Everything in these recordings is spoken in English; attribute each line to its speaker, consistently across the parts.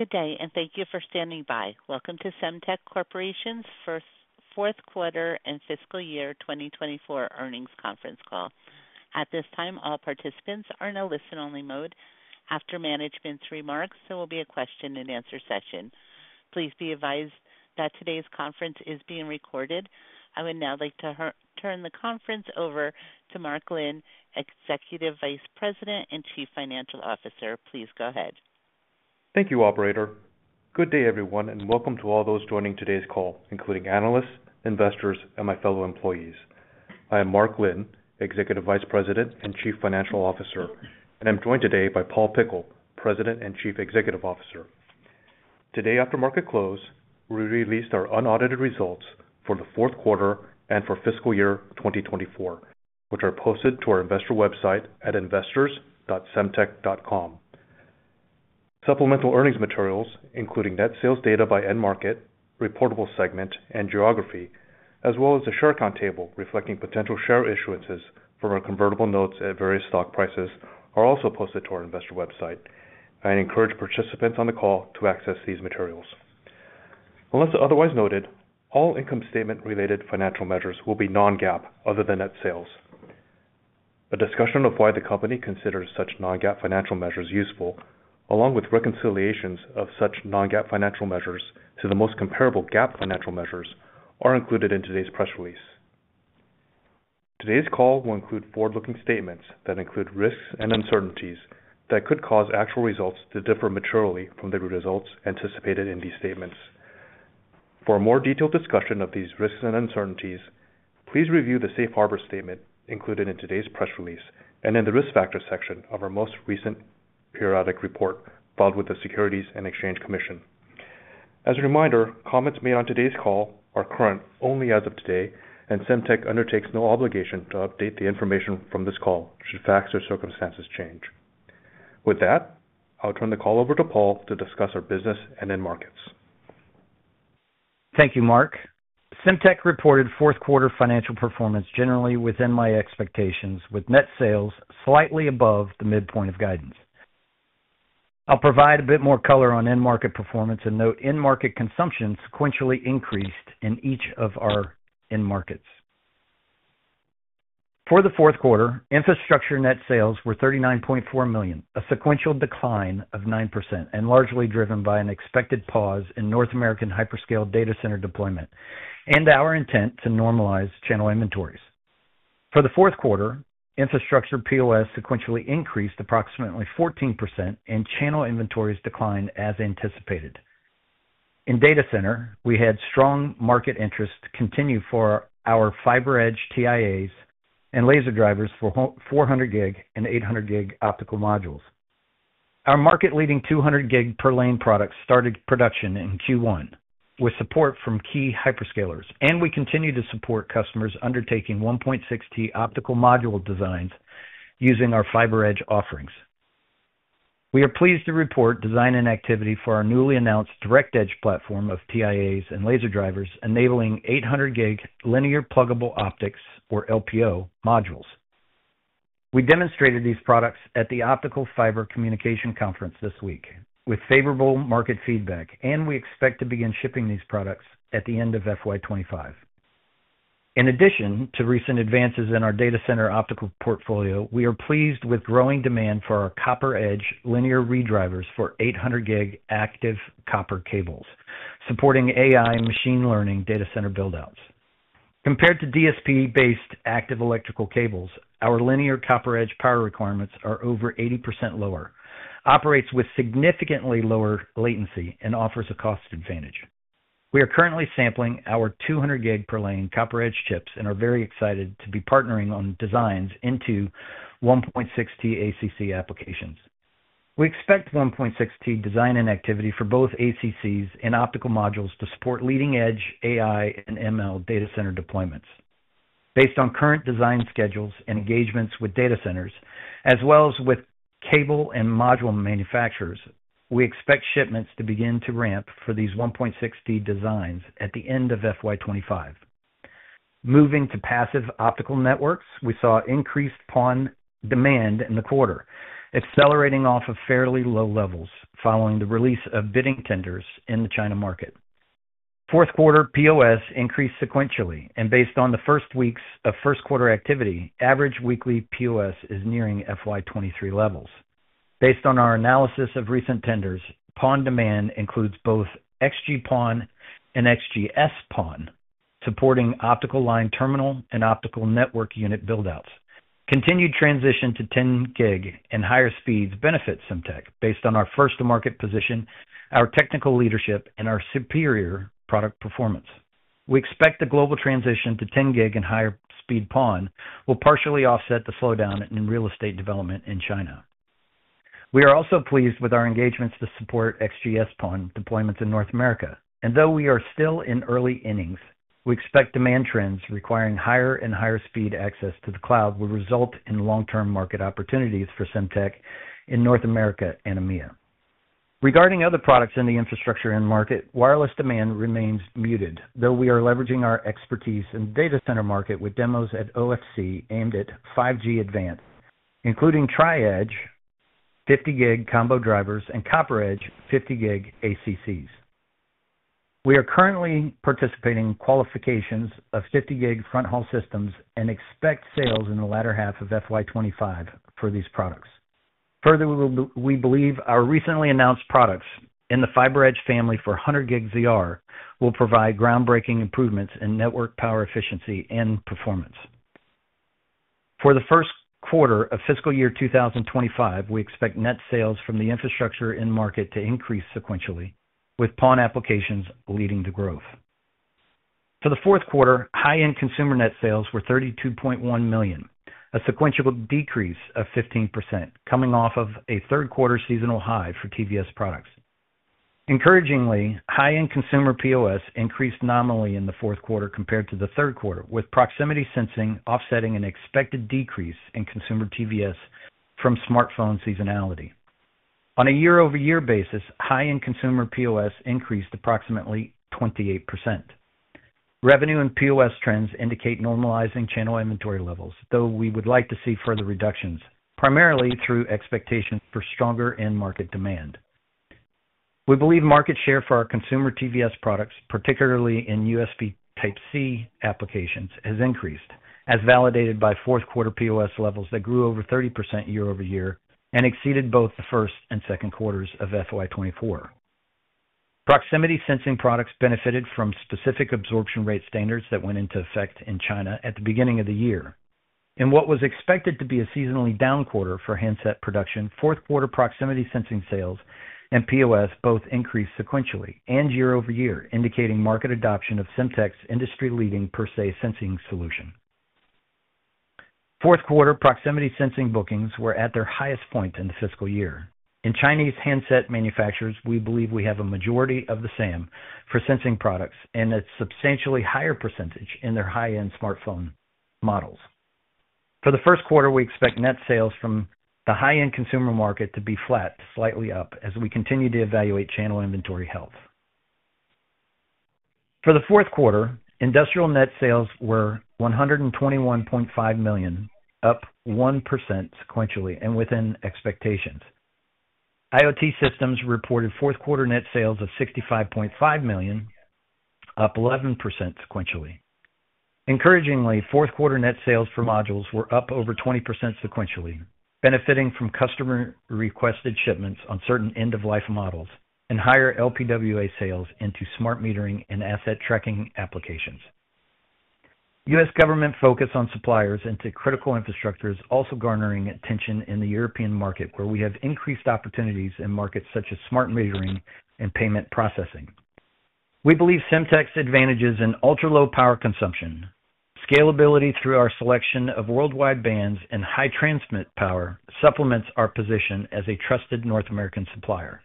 Speaker 1: Good day, and thank you for standing by. Welcome to Semtech Corporation's fourth quarter and fiscal year 2024 earnings conference call. At this time, all participants are in a listen-only mode. After management's remarks, there will be a question-and-answer session. Please be advised that today's conference is being recorded. I would now like to turn the conference over to Mark Lin, Executive Vice President and Chief Financial Officer. Please go ahead.
Speaker 2: Thank you, Operator. Good day, everyone, and welcome to all those joining today's call, including analysts, investors, and my fellow employees. I am Mark Lin, Executive Vice President and Chief Financial Officer, and I'm joined today by Paul Pickle, President and Chief Executive Officer. Today, after market close, we released our unaudited results for the fourth quarter and for fiscal year 2024, which are posted to our investor website at investors.semtech.com. Supplemental earnings materials, including net sales data by end market, reportable segment, and geography, as well as a share count table reflecting potential share issuances from our convertible notes at various stock prices, are also posted to our investor website. I encourage participants on the call to access these materials. Unless otherwise noted, all income statement-related financial measures will be non-GAAP other than net sales. A discussion of why the company considers such non-GAAP financial measures useful, along with reconciliations of such non-GAAP financial measures to the most comparable GAAP financial measures, are included in today's press release. Today's call will include forward-looking statements that include risks and uncertainties that could cause actual results to differ materially from the results anticipated in these statements. For a more detailed discussion of these risks and uncertainties, please review the Safe Harbor statement included in today's press release and in the risk factor section of our most recent periodic report filed with the Securities and Exchange Commission. As a reminder, comments made on today's call are current only as of today, and Semtech undertakes no obligation to update the information from this call should facts or circumstances change. With that, I'll turn the call over to Paul to discuss our business and end markets.
Speaker 3: Thank you, Mark. Semtech reported fourth quarter financial performance generally within my expectations, with net sales slightly above the midpoint of guidance. I'll provide a bit more color on end market performance and note end market consumption sequentially increased in each of our end markets. For the fourth quarter, infrastructure net sales were $39.4 million, a sequential decline of 9% and largely driven by an expected pause in North American hyperscale data center deployment and our intent to normalize channel inventories. For the fourth quarter, infrastructure POS sequentially increased approximately 14%, and channel inventories declined as anticipated. In data center, we had strong market interest continue for our FiberEdge TIAs and Laser Drivers for 400G and 800G optical modules. Our market-leading 200G per lane product started production in Q1 with support from key hyperscalers, and we continue to support customers undertaking 1.6T optical module designs using our FiberEdge offerings. We are pleased to report design and activity for our newly announced DirectEdge platform of TIAs and laser drivers, enabling 800G linear pluggable optics, or LPO modules. We demonstrated these products at the Optical Fiber Communication Conference this week with favorable market feedback, and we expect to begin shipping these products at the end of FY 2025. In addition to recent advances in our data center optical portfolio, we are pleased with growing demand for our CopperEdge linear redrivers for 800G active copper cables, supporting AI machine learning data center buildouts. Compared to DSP-based active electrical cables, our linear CopperEdge power requirements are over 80% lower, operates with significantly lower latency, and offers a cost advantage. We are currently sampling our 200G per lane CopperEdge chips and are very excited to be partnering on designs into 1.6T ACC applications. We expect 1.6T design-in activity for both ACCs and optical modules to support leading edge AI and ML data center deployments. Based on current design schedules and engagements with data centers, as well as with cable and module manufacturers, we expect shipments to begin to ramp for these 1.6T designs at the end of FY 2025. Moving to passive optical networks, we saw increased PON demand in the quarter, accelerating off of fairly low levels following the release of bidding tenders in the China market. Fourth quarter POS increased sequentially, and based on the first weeks of first quarter activity, average weekly POS is nearing FY 2023 levels. Based on our analysis of recent tenders, PON demand includes both XG-PON and XGS-PON, supporting optical line terminal and optical network unit buildouts. Continued transition to 10G and higher speeds benefits Semtech based on our first-to-market position, our technical leadership, and our superior product performance. We expect the global transition to 10G and higher speed PON will partially offset the slowdown in real estate development in China. We are also pleased with our engagements to support XGS-PON deployments in North America, and though we are still in early innings, we expect demand trends requiring higher and higher speed access to the cloud will result in long-term market opportunities for Semtech in North America and EMEA. Regarding other products in the infrastructure end market, wireless demand remains muted, though we are leveraging our expertise in the data center market with demos at OFC aimed at 5G Advanced, including Tri-Edge 50G combo drivers and CopperEdge 50G ACCs. We are currently participating in qualifications of 50G fronthaul systems and expect sales in the latter half of FY 2025 for these products. Further, we believe our recently announced products in the FiberEdge family for 100G ZR will provide groundbreaking improvements in network power efficiency and performance. For the first quarter of fiscal year 2025, we expect net sales from the infrastructure end market to increase sequentially, with PON applications leading the growth. For the fourth quarter, high-end consumer net sales were $32.1 million, a sequential decrease of 15%, coming off of a third quarter seasonal high for TVS products. Encouragingly, high-end consumer POS increased nominally in the fourth quarter compared to the third quarter, with proximity sensing offsetting an expected decrease in consumer TVS from smartphone seasonality. On a year-over-year basis, high-end consumer POS increased approximately 28%. Revenue and POS trends indicate normalizing channel inventory levels, though we would like to see further reductions, primarily through expectations for stronger end market demand. We believe market share for our consumer TVS products, particularly in USB Type-C applications, has increased, as validated by fourth quarter POS levels that grew over 30% year over year and exceeded both the first and second quarters of FY 2024. Proximity sensing products benefited from specific absorption rate standards that went into effect in China at the beginning of the year. In what was expected to be a seasonally down quarter for handset production, fourth quarter proximity sensing sales and POS both increased sequentially and year-over-year, indicating market adoption of Semtech's industry-leading PerSe sensing solution. Fourth quarter proximity sensing bookings were at their highest point in the fiscal year. In Chinese handset manufacturers, we believe we have a majority of the SAM for sensing products and a substantially higher percentage in their high-end smartphone models. For the first quarter, we expect net sales from the high-end consumer market to be flat to slightly up as we continue to evaluate channel inventory health. For the fourth quarter, industrial net sales were $121.5 million, up 1% sequentially and within expectations. IoT Systems reported fourth quarter net sales of $65.5 million, up 11% sequentially. Encouragingly, fourth quarter net sales for modules were up over 20% sequentially, benefiting from customer-requested shipments on certain end-of-life models and higher LPWA sales into smart metering and asset tracking applications. U.S. government focus on suppliers into critical infrastructure is also garnering attention in the European market, where we have increased opportunities in markets such as smart metering and payment processing. We believe Semtech's advantages in ultra-low power consumption, scalability through our selection of worldwide bands, and high transmit power supplements our position as a trusted North American supplier.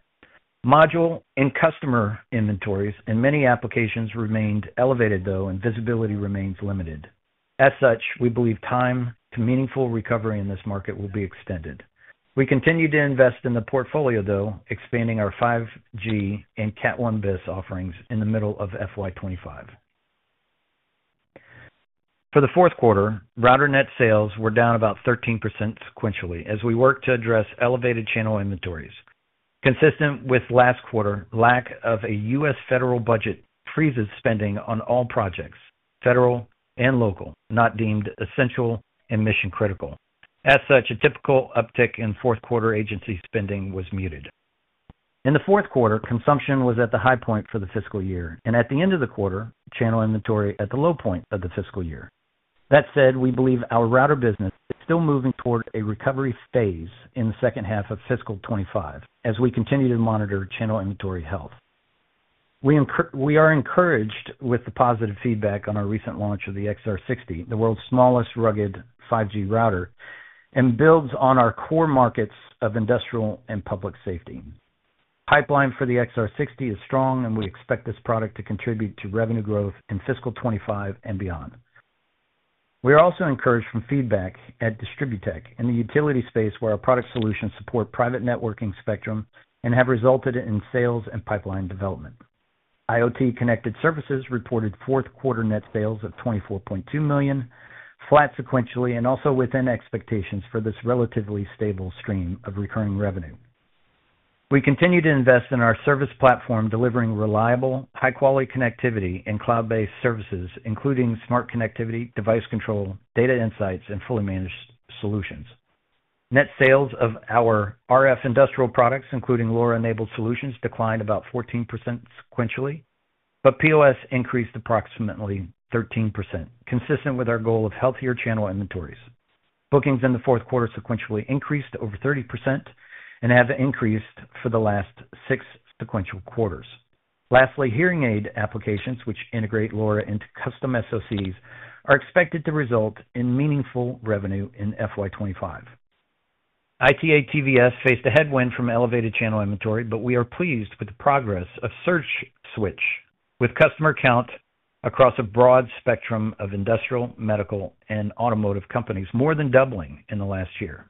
Speaker 3: Module and customer inventories in many applications remained elevated, though, and visibility remains limited. As such, we believe time to meaningful recovery in this market will be extended. We continue to invest in the portfolio, though, expanding our 5G and Cat 1bis offerings in the middle of FY25. For the fourth quarter, router net sales were down about 13% sequentially as we worked to address elevated channel inventories. Consistent with last quarter, lack of a U.S. federal budget freezes spending on all projects, federal and local, not deemed essential and mission critical. As such, a typical uptick in fourth quarter agency spending was muted. In the fourth quarter, consumption was at the high point for the fiscal year, and at the end of the quarter, channel inventory at the low point of the fiscal year. That said, we believe our router business is still moving toward a recovery phase in the second half of fiscal 2025 as we continue to monitor channel inventory health. We are encouraged with the positive feedback on our recent launch of the XR60, the world's smallest rugged 5G router, and builds on our core markets of industrial and public safety. Pipeline for the XR60 is strong, and we expect this product to contribute to revenue growth in fiscal 2025 and beyond. We are also encouraged from feedback at DistribuTECH in the utility space, where our product solutions support private networking spectrum and have resulted in sales and pipeline development. IoT Connected Services reported fourth quarter net sales of $24.2 million, flat sequentially and also within expectations for this relatively stable stream of recurring revenue. We continue to invest in our service platform, delivering reliable, high-quality connectivity and cloud-based services, including smart connectivity, device control, data insights, and fully managed solutions. Net sales of our RF industrial products, including LoRa-enabled solutions, declined about 14% sequentially, but POS increased approximately 13%, consistent with our goal of healthier channel inventories. Bookings in the fourth quarter sequentially increased over 30% and have increased for the last six sequential quarters. Lastly, hearing aid applications, which integrate LoRa into custom SOCs, are expected to result in meaningful revenue in FY 2025. ITA TVS faced a headwind from elevated channel inventory, but we are pleased with the progress of SurgeSwitch, with customer count across a broad spectrum of industrial, medical, and automotive companies more than doubling in the last year.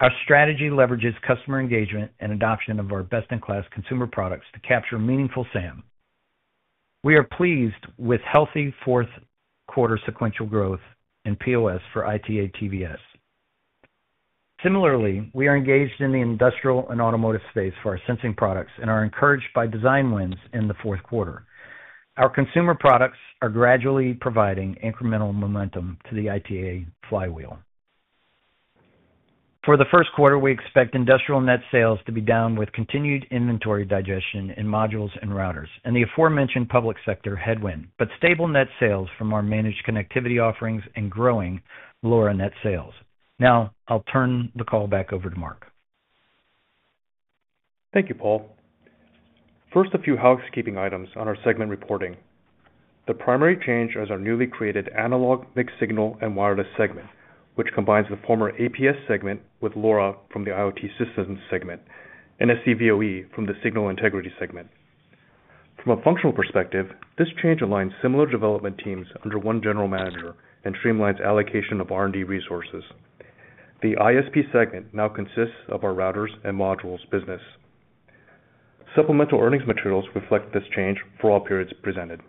Speaker 3: Our strategy leverages customer engagement and adoption of our best-in-class consumer products to capture meaningful SAM. We are pleased with healthy fourth quarter sequential growth in POS for ITA TVS. Similarly, we are engaged in the industrial and automotive space for our sensing products and are encouraged by design wins in the fourth quarter. Our consumer products are gradually providing incremental momentum to the ITA flywheel. For the first quarter, we expect industrial net sales to be down with continued inventory digestion in modules and routers and the aforementioned public sector headwind, but stable net sales from our managed connectivity offerings and growing LoRa net sales. Now, I'll turn the call back over to Mark.
Speaker 2: Thank you, Paul. First, a few housekeeping items on our segment reporting. The primary change is our newly created analog mixed signal and wireless segment, which combines the former APS segment with LoRa from the IoT Systems segment and SDVoE from the signal integrity segment. From a functional perspective, this change aligns similar development teams under one general manager and streamlines allocation of R&D resources. The ISP segment now consists of our routers and modules business. Supplemental earnings materials reflect this change for all periods presented.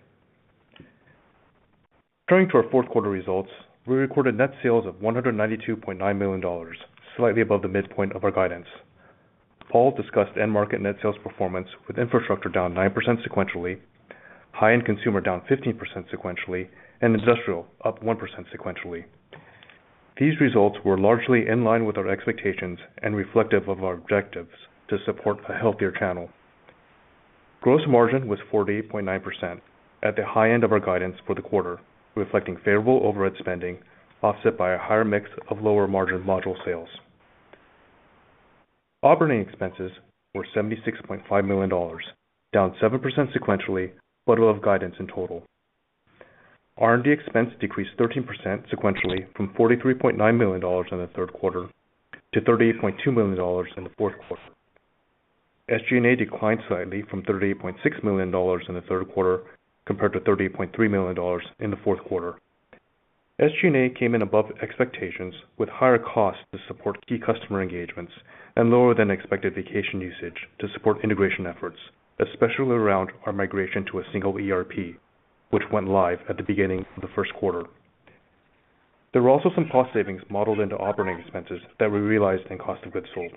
Speaker 2: Turning to our fourth quarter results, we recorded net sales of $192.9 million, slightly above the midpoint of our guidance. Paul discussed in-market net sales performance with infrastructure down 9% sequentially, high-end consumer down 15% sequentially, and industrial up 1% sequentially. These results were largely in line with our expectations and reflective of our objectives to support a healthier channel. Gross margin was 48.9% at the high end of our guidance for the quarter, reflecting favorable overhead spending offset by a higher mix of lower margin module sales. Operating expenses were $76.5 million, down 7% sequentially but above guidance in total. R&D expense decreased 13% sequentially from $43.9 million in the third quarter to $38.2 million in the fourth quarter. SG&A declined slightly from $38.6 million in the third quarter compared to $38.3 million in the fourth quarter. SG&A came in above expectations with higher costs to support key customer engagements and lower than expected vacation usage to support integration efforts, especially around our migration to a single ERP, which went live at the beginning of the first quarter. There were also some cost savings modeled into operating expenses that we realized in cost of goods sold.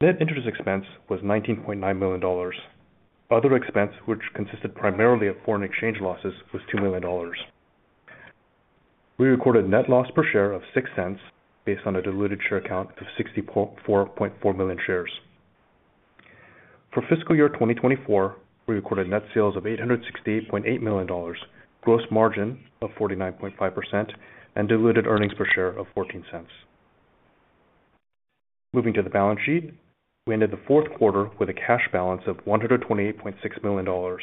Speaker 2: Net interest expense was $19.9 million. Other expense, which consisted primarily of foreign exchange losses, was $2 million. We recorded net loss per share of $0.06 based on a diluted share account of 64.4 million shares. For fiscal year 2024, we recorded net sales of $868.8 million, gross margin of 49.5%, and diluted earnings per share of $0.14. Moving to the balance sheet, we ended the fourth quarter with a cash balance of $128.6 million.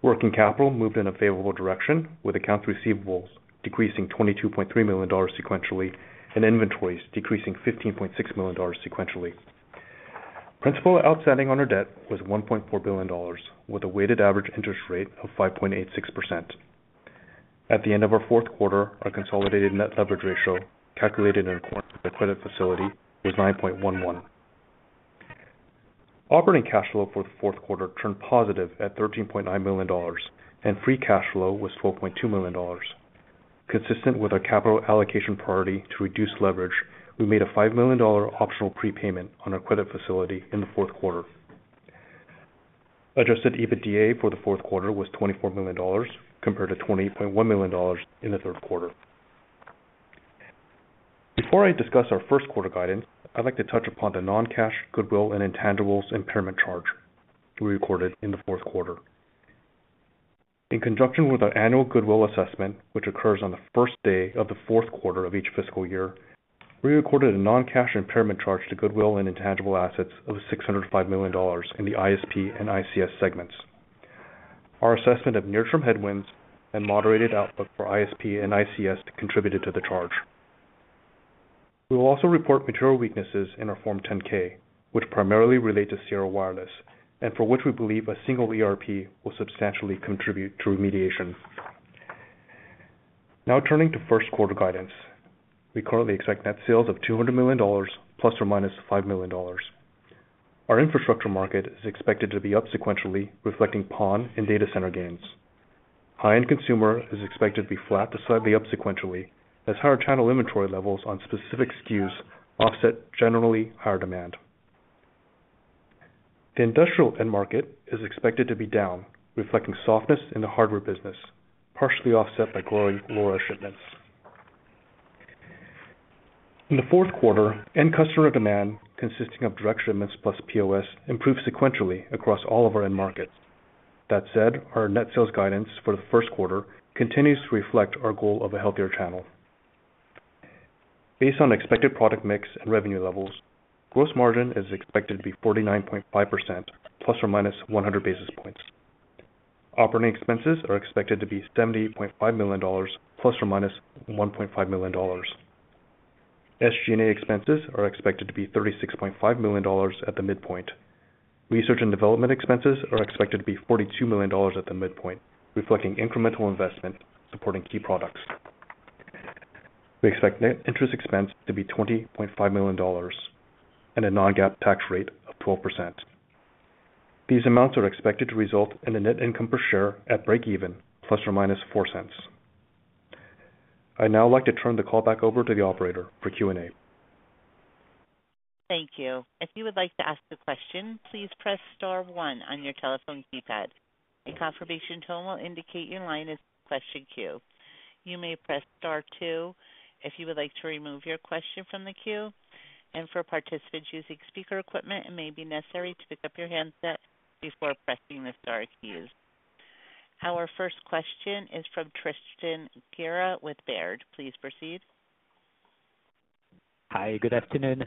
Speaker 2: Working capital moved in a favorable direction with accounts receivables decreasing $22.3 million sequentially and inventories decreasing $15.6 million sequentially. Principal outstanding on our debt was $1.4 billion, with a weighted average interest rate of 5.86%. At the end of our fourth quarter, our consolidated net leverage ratio, calculated in a quarterly credit facility, was 9.11. Operating cash flow for the fourth quarter turned positive at $13.9 million, and free cash flow was $12.2 million. Consistent with our capital allocation priority to reduce leverage, we made a $5 million optional prepayment on our credit facility in the fourth quarter. Adjusted EBITDA for the fourth quarter was $24 million compared to $28.1 million in the third quarter. Before I discuss our first quarter guidance, I'd like to touch upon the non-cash, goodwill, and intangibles impairment charge we recorded in the fourth quarter. In conjunction with our annual goodwill assessment, which occurs on the first day of the fourth quarter of each fiscal year, we recorded a non-cash impairment charge to goodwill and intangible assets of $605 million in the ISP and ICS segments. Our assessment of near-term headwinds and moderated outlook for ISP and ICS contributed to the charge. We will also report material weaknesses in our Form 10-K, which primarily relate to Sierra Wireless and for which we believe a single ERP will substantially contribute to remediation. Now, turning to first quarter guidance, we currently expect net sales of $200 million ± $5 million. Our infrastructure market is expected to be up sequentially, reflecting PON and data center gains. High-end consumer is expected to be flat to slightly up sequentially as higher channel inventory levels on specific SKUs offset generally higher demand. The industrial end market is expected to be down, reflecting softness in the hardware business, partially offset by growing LoRa shipments. In the fourth quarter, end customer demand consisting of direct shipments plus POS improved sequentially across all of our end markets. That said, our net sales guidance for the first quarter continues to reflect our goal of a healthier channel. Based on expected product mix and revenue levels, gross margin is expected to be 49.5%± 100 basis points. Operating expenses are expected to be $70.5 million ±$1.5 million. SG&A expenses are expected to be $36.5 million at the midpoint. Research and development expenses are expected to be $42 million at the midpoint, reflecting incremental investment supporting key products. We expect net interest expense to be $20.5 million and a non-GAAP tax rate of 12%. These amounts are expected to result in a net income per share at breakeven ±$0.04. I'd now like to turn the call back over to the operator for Q&A.
Speaker 1: Thank you. If you would like to ask a question, please press star one on your telephone keypad. A confirmation tone will indicate your line is in the question queue. You may press star two if you would like to remove your question from the queue. For participants using speaker equipment, it may be necessary to pick up your handset before pressing the star keys. Our first question is from Tristan Gerra with Baird. Please proceed.
Speaker 4: Hi. Good afternoon.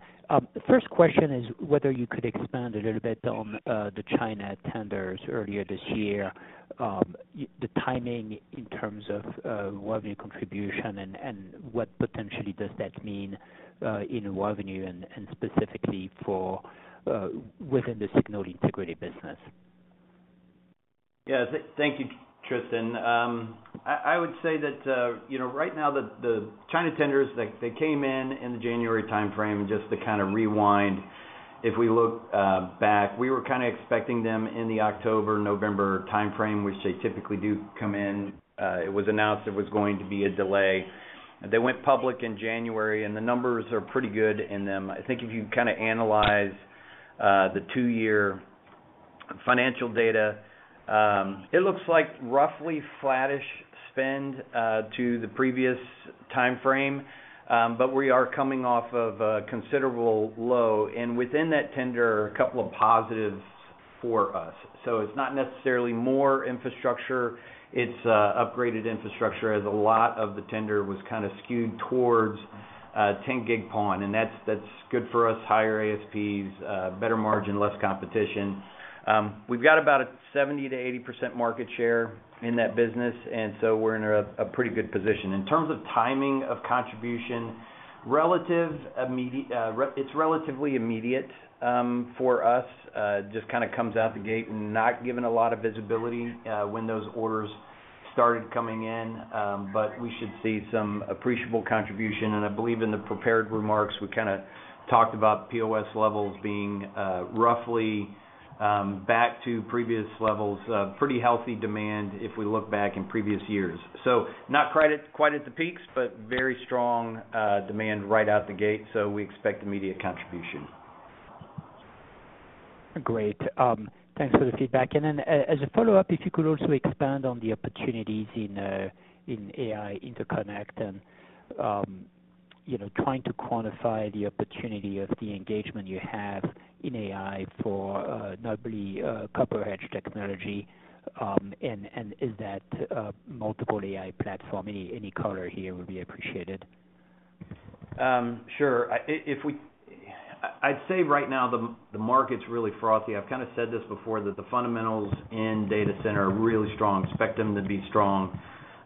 Speaker 4: First question is whether you could expand a little bit on the China tenders earlier this year, the timing in terms of revenue contribution, and what potentially does that mean in revenue and specifically within the signal integrity business.
Speaker 3: Yeah. Thank you, Tristan. I would say that right now, the China tenders, they came in, in the January timeframe just to kind of rewind. If we look back, we were kind of expecting them in the October/November timeframe, which they typically do come in. It was announced it was going to be a delay. They went public in January, and the numbers are pretty good in them. I think if you kind of analyze the two-year financial data, it looks like roughly flattish spend to the previous timeframe, but we are coming off of a considerable low. And within that tender, a couple of positives for us. So it's not necessarily more infrastructure. It's upgraded infrastructure as a lot of the tender was kind of skewed towards 10G PON, and that's good for us, higher ASPs, better margin, less competition. We've got about a 70%-80% market share in that business, and so we're in a pretty good position. In terms of timing of contribution, it's relatively immediate for us, just kind of comes out the gate and not given a lot of visibility when those orders started coming in. But we should see some appreciable contribution. And I believe in the prepared remarks, we kind of talked about POS levels being roughly back to previous levels, pretty healthy demand if we look back in previous years. So not quite at the peaks, but very strong demand right out the gate, so we expect immediate contribution.
Speaker 4: Great. Thanks for the feedback. And then as a follow-up, if you could also expand on the opportunities in AI interconnect and trying to quantify the opportunity of the engagement you have in AI for NVIDIA CopperEdge technology, and is that multiple AI platforms? Any color here would be appreciated.
Speaker 3: Sure. I'd say right now, the market's really frothy. I've kind of said this before, that the fundamentals in data center are really strong. Spectrum-X to be strong,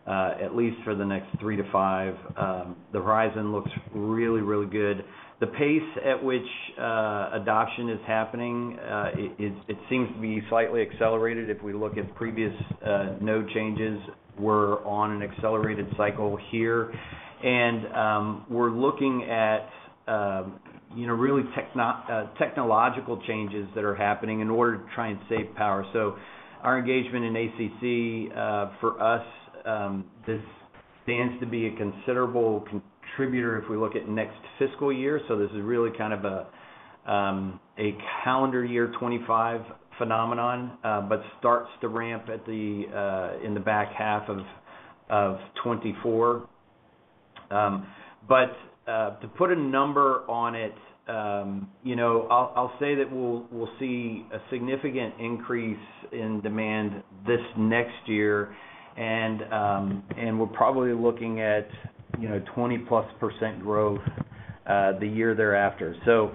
Speaker 3: at least for the next 3-5. The horizon looks really, really good. The pace at which adoption is happening, it seems to be slightly accelerated. If we look at previous node changes, we're on an accelerated cycle here. And we're looking at really technological changes that are happening in order to try and save power. So our engagement in ACC, for us, this stands to be a considerable contributor if we look at next fiscal year. So this is really kind of a calendar year 2025 phenomenon, but starts to ramp in the back half of 2024. But to put a number on it, I'll say that we'll see a significant increase in demand this next year, and we're probably looking at 20%+ growth the year thereafter. So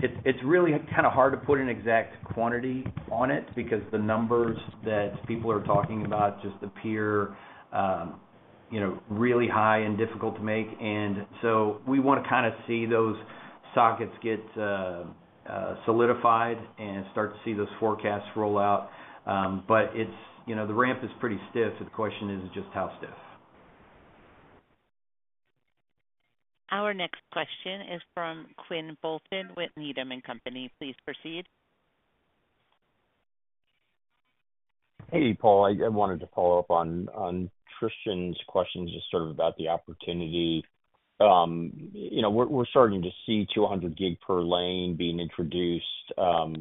Speaker 3: it's really kind of hard to put an exact quantity on it because the numbers that people are talking about just appear really high and difficult to make. And so we want to kind of see those sockets get solidified and start to see those forecasts roll out. But the ramp is pretty stiff. The question is just how stiff.
Speaker 1: Our next question is from Quinn Bolton with Needham & Company. Please proceed.
Speaker 5: Hey, Paul. I wanted to follow up on Tristan's questions just sort of about the opportunity. We're starting to see 200G per lane being introduced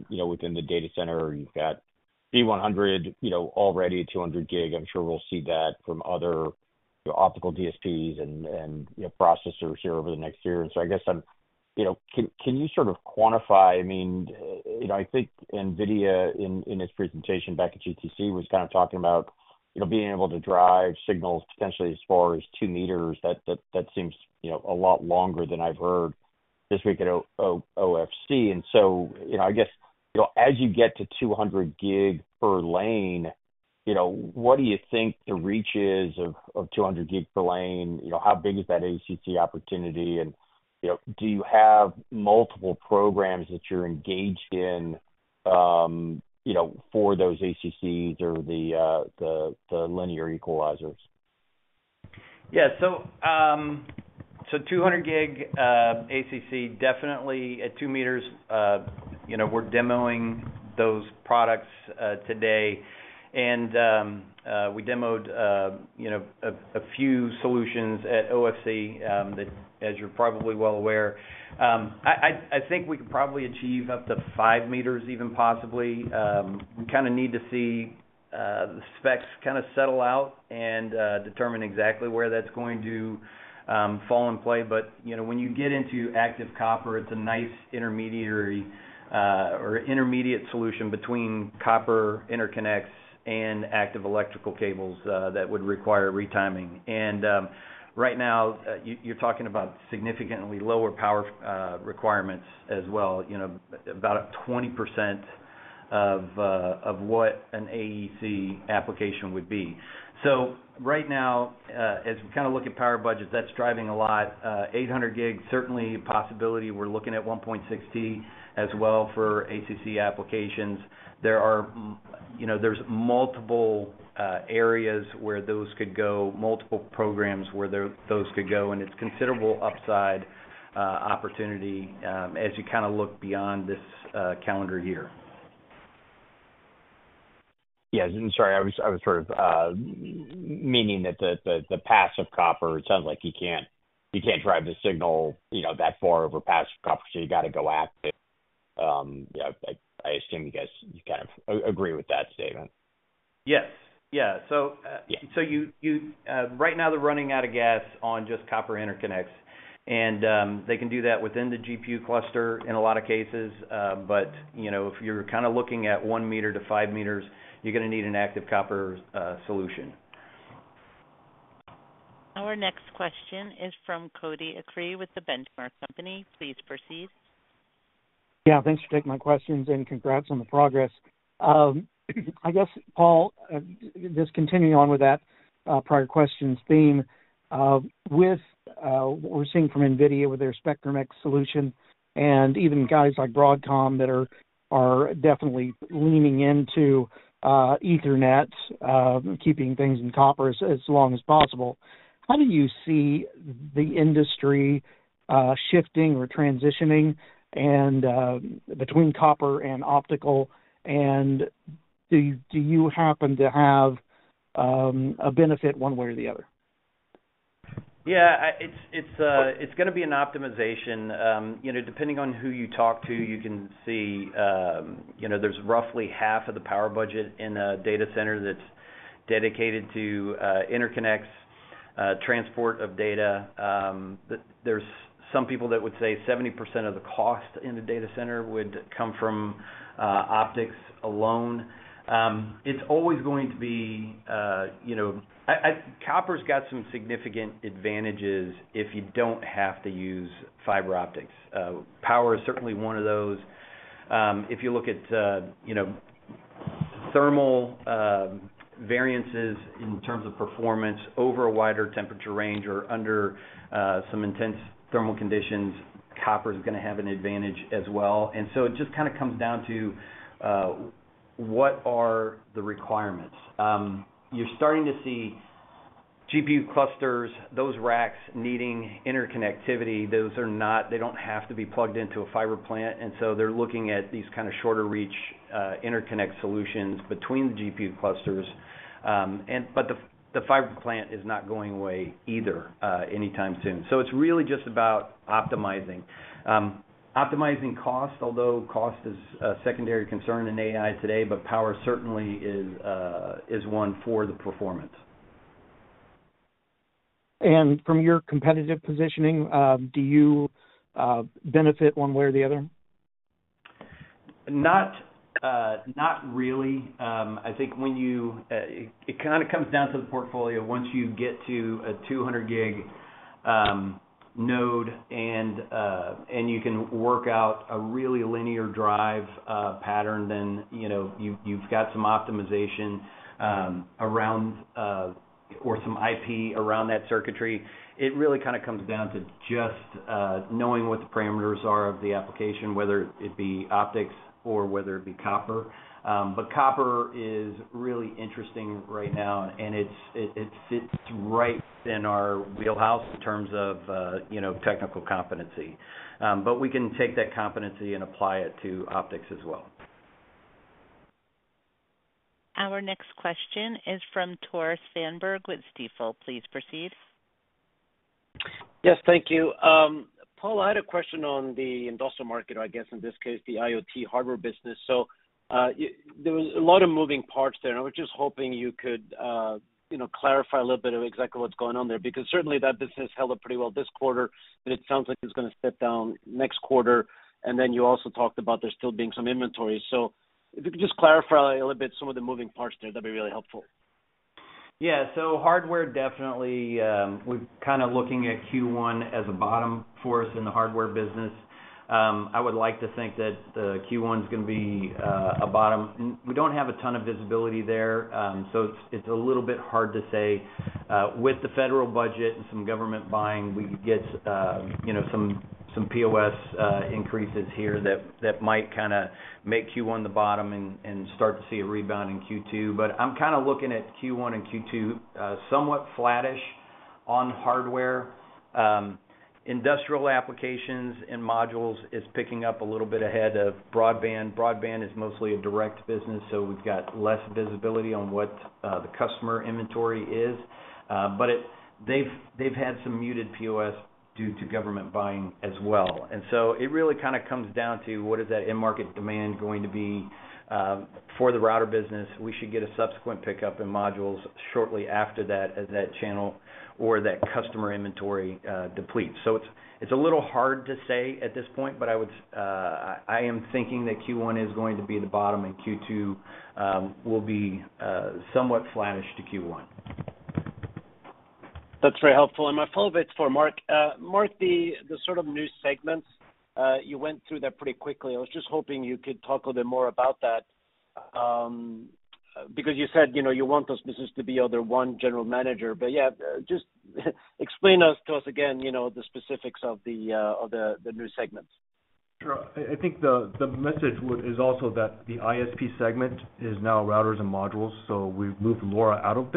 Speaker 5: within the data center. You've got B100 already at 200G. I'm sure we'll see that from other optical DSPs and processors here over the next year. So I guess can you sort of quantify? I mean, I think NVIDIA, in its presentation back at GTC, was kind of talking about being able to drive signals potentially as far as two meters. That seems a lot longer than I've heard this week at OFC. So I guess as you get to 200G per lane, what do you think the reach is of 200G per lane? How big is that ACC opportunity? And do you have multiple programs that you're engaged in for those ACCs or the linear equalizers?
Speaker 3: Yeah. So 200G ACC, definitely at two meters. We're demoing those products today. We demoed a few solutions at OFC that, as you're probably well aware, I think we could probably achieve up to five meters, even possibly. We kind of need to see the specs kind of settle out and determine exactly where that's going to fall in play. But when you get into active copper, it's a nice intermediary or intermediate solution between copper interconnects and active electrical cables that would require retiming. Right now, you're talking about significantly lower power requirements as well, about 20% of what an AEC application would be. So right now, as we kind of look at power budgets, that's driving a lot. 800G, certainly a possibility. We're looking at 1.6T as well for ACC applications. There's multiple areas where those could go, multiple programs where those could go, and it's considerable upside opportunity as you kind of look beyond this calendar year.
Speaker 5: Yeah. I'm sorry. I was sort of meaning that the passive copper, it sounds like you can't drive the signal that far over passive copper, so you got to go active. I assume you guys kind of agree with that statement.
Speaker 3: Yes. Yeah. So right now, they're running out of gas on just copper interconnects. And they can do that within the GPU cluster in a lot of cases. But if you're kind of looking at one meter to five meters, you're going to need an active copper solution.
Speaker 1: Our next question is from Cody Acree with The Benchmark Company. Please proceed.
Speaker 6: Yeah. Thanks for taking my questions, and congrats on the progress. I guess, Paul, just continuing on with that prior questions theme, with what we're seeing from NVIDIA with their Spectrum-X solution and even guys like Broadcom that are definitely leaning into Ethernet, keeping things in copper as long as possible, how do you see the industry shifting or transitioning between copper and optical? And do you happen to have a benefit one way or the other?
Speaker 3: Yeah. It's going to be an optimization. Depending on who you talk to, you can see there's roughly half of the power budget in a data center that's dedicated to interconnects, transport of data. There's some people that would say 70% of the cost in a data center would come from optics alone. It's always going to be copper's got some significant advantages if you don't have to use fiber optics. Power is certainly one of those. If you look at thermal variances in terms of performance over a wider temperature range or under some intense thermal conditions, copper's going to have an advantage as well. And so it just kind of comes down to what are the requirements. You're starting to see GPU clusters, those racks needing interconnectivity. They don't have to be plugged into a fiber plant. And so they're looking at these kind of shorter-reach interconnect solutions between the GPU clusters. But the fiber plant is not going away either anytime soon. So it's really just about optimizing. Optimizing cost, although cost is a secondary concern in AI today, but power certainly is one for the performance.
Speaker 6: And from your competitive positioning, do you benefit one way or the other?
Speaker 3: Not really. I think it kind of comes down to the portfolio. Once you get to a 200G node and you can work out a really Linear Drive pattern, then you've got some optimization around or some IP around that circuitry. It really kind of comes down to just knowing what the parameters are of the application, whether it be optics or whether it be copper. But copper is really interesting right now, and it fits right within our wheelhouse in terms of technical competency. But we can take that competency and apply it to optics as well.
Speaker 1: Our next question is from Tore Svanberg with Stifel. Please proceed.
Speaker 7: Yes. Thank you. Paul, I had a question on the industrial market, I guess, in this case, the IoT hardware business. There was a lot of moving parts there, and I was just hoping you could clarify a little bit of exactly what's going on there because certainly, that business held up pretty well this quarter, but it sounds like it's going to step down next quarter. Then you also talked about there still being some inventory. So if you could just clarify a little bit some of the moving parts there, that'd be really helpful.
Speaker 3: Yeah. So hardware, definitely, we're kind of looking at Q1 as a bottom for the hardware business. I would like to think that Q1's going to be a bottom. We don't have a ton of visibility there, so it's a little bit hard to say. With the federal budget and some government buying, we could get some POS increases here that might kind of make Q1 the bottom and start to see a rebound in Q2. But I'm kind of looking at Q1 and Q2 somewhat flattish on hardware. Industrial applications and modules is picking up a little bit ahead of broadband. Broadband is mostly a direct business, so we've got less visibility on what the customer inventory is. But they've had some muted POS due to government buying as well. And so it really kind of comes down to what is that in-market demand going to be for the router business? We should get a subsequent pickup in modules shortly after that as that channel or that customer inventory depletes. So it's a little hard to say at this point, but I am thinking that Q1 is going to be the bottom, and Q2 will be somewhat flattish to Q1.
Speaker 7: That's very helpful. And my follow-up is for Mark. Mark, the sort of new segments you went through there pretty quickly, I was just hoping you could talk a little bit more about that because you said you want those businesses to be under one general manager. But yeah, just explain to us again the specifics of the new segments.
Speaker 2: Sure. I think the message is also that the ISP segment is now routers and modules. So we've moved LoRa out of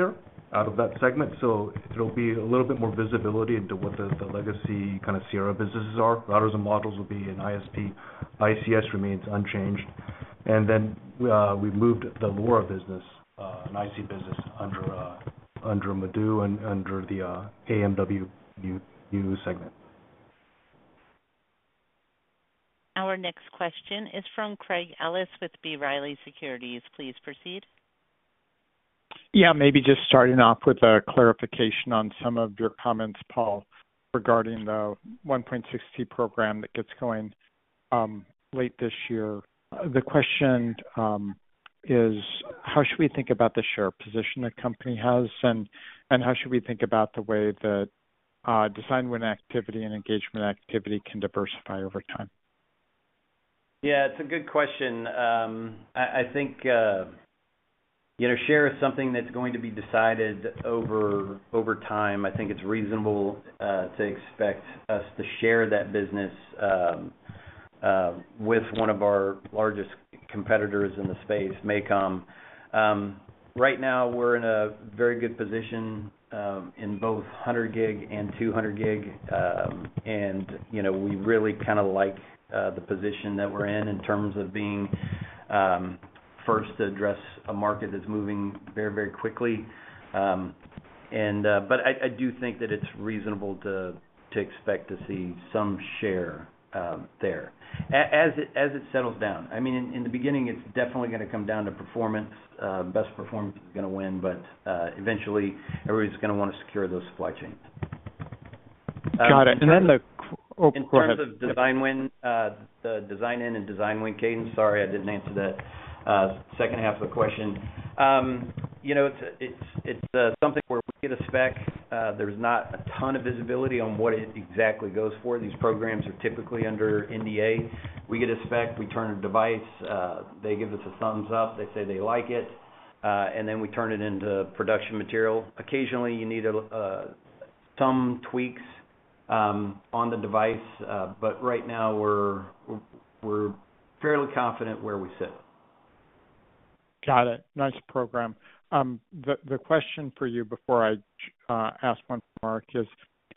Speaker 2: that segment. So it'll be a little bit more visibility into what the legacy kind of Sierra businesses are. Routers and modules will be in ISP. ICS remains unchanged. Then we've moved the LoRa business, IC business, under Modu, and under the AMW, new segment.
Speaker 1: Our next question is from Craig Ellis with B Riley Securities. Please proceed.
Speaker 8: Yeah. Maybe just starting off with a clarification on some of your comments, Paul, regarding the 1.6T program that gets going late this year. The question is, how should we think about the share of position the company has, and how should we think about the way that design win activity and engagement activity can diversify over time?
Speaker 3: Yeah. It's a good question. I think share is something that's going to be decided over time. I think it's reasonable to expect us to share that business with one of our largest competitors in the space, MACOM. Right now, we're in a very good position in both 100G and 200G, and we really kind of like the position that we're in in terms of being first to address a market that's moving very, very quickly. But I do think that it's reasonable to expect to see some share there as it settles down. I mean, in the beginning, it's definitely going to come down to performance. Best performance is going to win, but eventually, everybody's going to want to secure those supply chains.
Speaker 8: Got it. And then, oh, go ahead.
Speaker 3: In terms of design win, the design-in, and design win cadence, sorry, I didn't answer that second half of the question. It's something where we get a spec. There's not a ton of visibility on what it exactly goes for. These programs are typically under NDA. We get a spec. We turn a device. They give us a thumbs up. They say they like it. And then we turn it into production material. Occasionally, you need some tweaks on the device. But right now, we're fairly confident where we sit.
Speaker 8: Got it. Nice program. The question for you before I ask one from Mark is,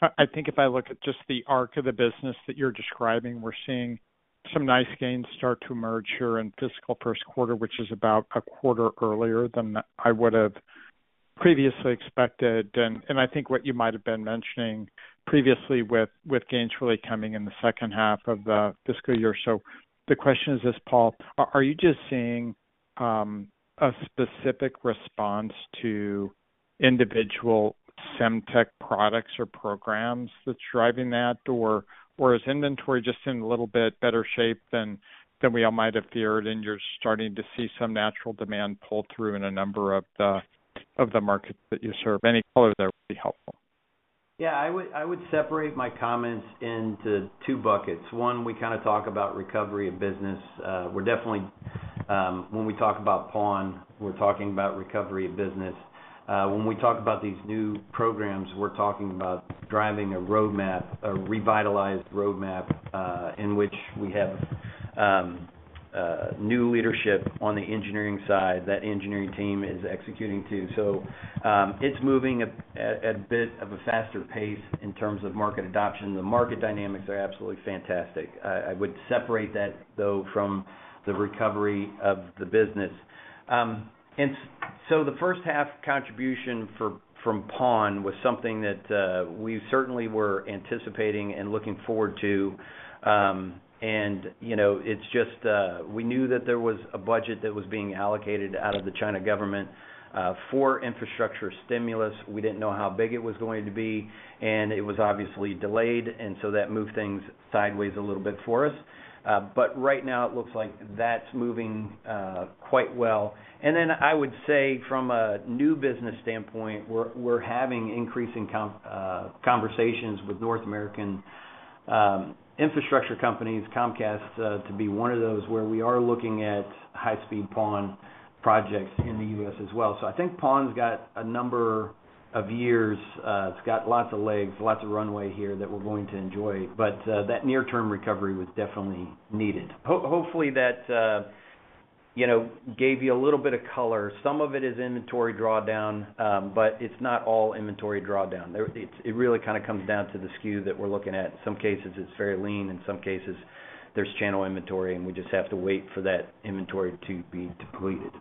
Speaker 8: I think if I look at just the arc of the business that you're describing, we're seeing some nice gains start to emerge here in fiscal first quarter, which is about a quarter earlier than I would have previously expected. And I think what you might have been mentioning previously with gains really coming in the second half of the fiscal year. So the question is this, Paul, are you just seeing a specific response to individual Semtech products or programs that's driving that, or is inventory just in a little bit better shape than we all might have feared, and you're starting to see some natural demand pull through in a number of the markets that you serve? Any color there would be helpful.
Speaker 3: Yeah. I would separate my comments into two buckets. One, we kind of talk about recovery of business. When we talk about PON, we're talking about recovery of business. When we talk about these new programs, we're talking about driving a roadmap, a revitalized roadmap in which we have new leadership on the engineering side that engineering team is executing too. So it's moving at a bit of a faster pace in terms of market adoption. The market dynamics are absolutely fantastic. I would separate that, though, from the recovery of the business. So the first-half contribution from PON was something that we certainly were anticipating and looking forward to. It's just we knew that there was a budget that was being allocated out of the Chinese government for infrastructure stimulus. We didn't know how big it was going to be, and it was obviously delayed. So that moved things sideways a little bit for us. But right now, it looks like that's moving quite well. Then I would say, from a new business standpoint, we're having increasing conversations with North American infrastructure companies, Comcast to be one of those where we are looking at high-speed PON projects in the U.S. as well. So I think PON's got a number of years. It's got lots of legs, lots of runway here that we're going to enjoy. But that near-term recovery was definitely needed. Hopefully, that gave you a little bit of color. Some of it is inventory drawdown, but it's not all inventory drawdown. It really kind of comes down to the SKU that we're looking at. In some cases, it's very lean. In some cases, there's channel inventory, and we just have to wait for that inventory to be depleted.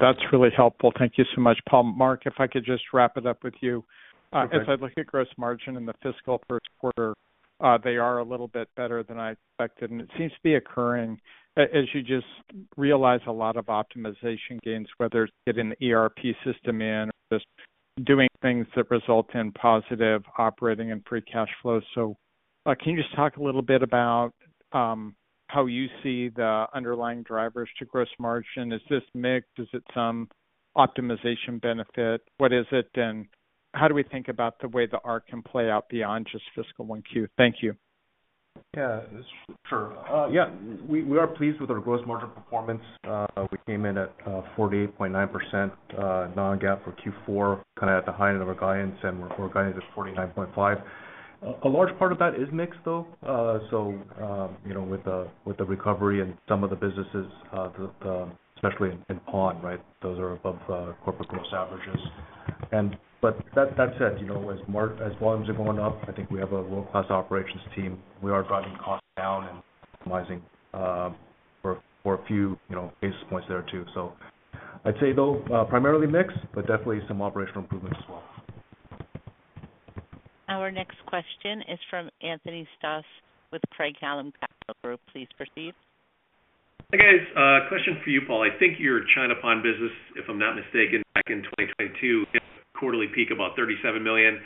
Speaker 8: That's really helpful. Thank you so much, Paul. Mark, if I could just wrap it up with you. As I look at gross margin and the fiscal first quarter, they are a little bit better than I expected, and it seems to be occurring. As you just realize, a lot of optimization gains, whether it's getting the ERP system in or just doing things that result in positive operating and free cash flow. So can you just talk a little bit about how you see the underlying drivers to gross margin? Is this mixed? Is it some optimization benefit? What is it, and how do we think about the way the ARC can play out beyond just fiscal 1Q? Thank you.
Speaker 2: Yeah. Sure. Yeah. We are pleased with our gross margin performance. We came in at 48.9% non-GAAP for Q4, kind of at the high end of our guidance, and we're guided at 49.5%. A large part of that is mixed, though. So with the recovery and some of the businesses, especially in PON, right, those are above corporate gross averages. But that said, as volumes are going up, I think we have a world-class operations team. We are driving costs down and optimizing for a few basis points there too. So I'd say, though, primarily mixed, but definitely some operational improvements as well.
Speaker 1: Our next question is from Anthony Stoss with Craig-Hallum Capital Group. Please proceed.
Speaker 9: Hey, guys. Question for you, Paul. I think your China PON business, if I'm not mistaken, back in 2022 hit a quarterly peak of about $37 million.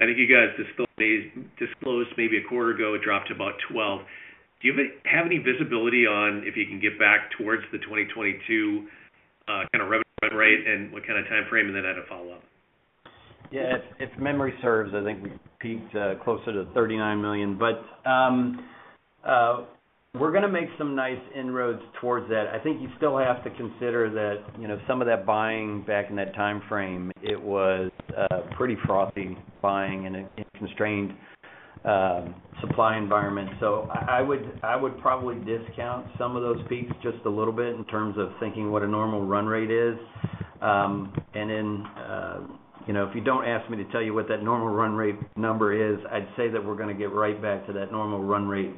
Speaker 9: I think you guys disclosed maybe a quarter ago. It dropped to about $12 million. Do you have any visibility on if you can get back towards the 2022 kind of revenue rate and what kind of time frame, and then add a follow-up?
Speaker 3: Yeah. If memory serves, I think we peaked closer to $39 million. But we're going to make some nice inroads towards that. I think you still have to consider that some of that buying back in that time frame, it was pretty frothy buying in a constrained supply environment. So I would probably discount some of those peaks just a little bit in terms of thinking what a normal run rate is. And then if you don't ask me to tell you what that normal run rate number is, I'd say that we're going to get right back to that normal run rate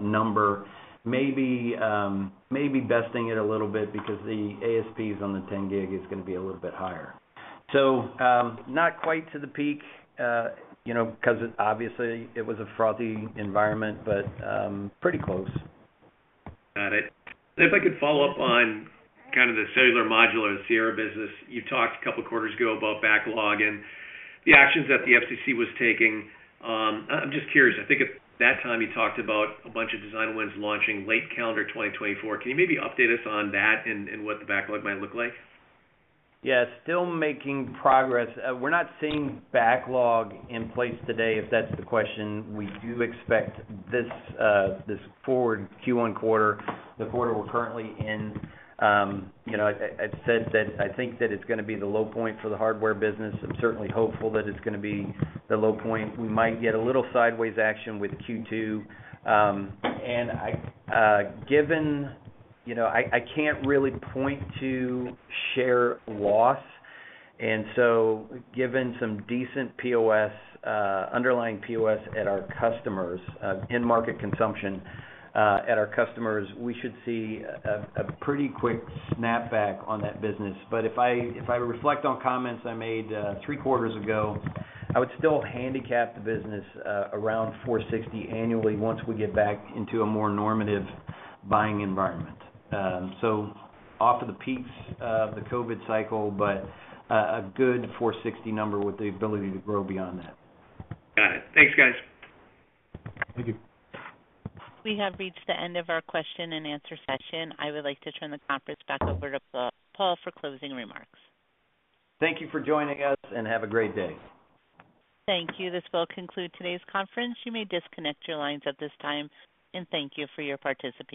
Speaker 3: number, maybe besting it a little bit because the ASPs on the 10G is going to be a little bit higher. So not quite to the peak because, obviously, it was a frothy environment, but pretty close.
Speaker 9: Got it. And if I could follow up on kind of the cellular modular Sierra business, you talked a couple of quarters ago about backlog and the actions that the FCC was taking. I'm just curious. I think at that time, you talked about a bunch of design wins launching late calendar 2024. Can you maybe update us on that and what the backlog might look like?
Speaker 3: Yeah. Still making progress. We're not seeing backlog in place today, if that's the question. We do expect this forward Q1 quarter, the quarter we're currently in. I'd said that I think that it's going to be the low point for the hardware business. I'm certainly hopeful that it's going to be the low point. We might get a little sideways action with Q2. And given I can't really point to share loss. And so given some decent underlying POS at our customers, in-market consumption at our customers, we should see a pretty quick snapback on that business. But if I reflect on comments I made three quarters ago, I would still handicap the business around $460 million annually once we get back into a more normative buying environment. So off of the peaks of the COVID cycle, but a good $460 number with the ability to grow beyond that.
Speaker 9: Got it. Thanks, guys.
Speaker 3: Thank you.
Speaker 1: We have reached the end of our question-and-answer session. I would like to turn the conference back over to Paul for closing remarks.
Speaker 3: Thank you for joining us, and have a great day.
Speaker 1: Thank you. This will conclude today's conference. You may disconnect your lines at this time, and thank you for your participation.